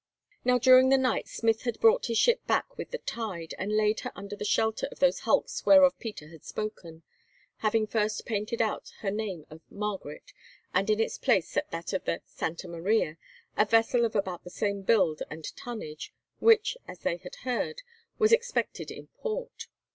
Now during the night Smith had brought his ship back with the tide, and laid her under the shelter of those hulks whereof Peter had spoken, having first painted out her name of Margaret, and in its place set that of the Santa Maria, a vessel of about the same build and tonnage, which, as they had heard, was expected in port.